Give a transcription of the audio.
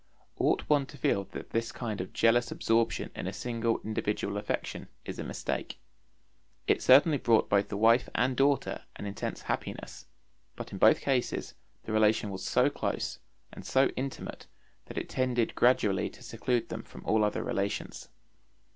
Ought one to feel that this kind of jealous absorption in a single individual affection is a mistake? It certainly brought both the wife and daughter an intense happiness, but in both cases the relation was so close and so intimate that it tended gradually to seclude them from all other relations.